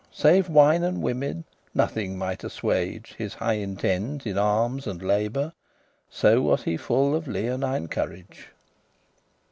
Save wine and women, nothing might assuage His high intent in arms and labour, So was he full of leonine courage.